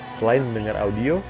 selain mendengar audio